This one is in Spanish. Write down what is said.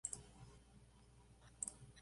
Se distinguió como director de ópera.